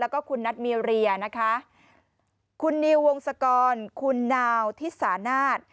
แล้วก็คุณนัทมีเรียนะคะคุณนิววงศกรคุณนาวทิสานาศ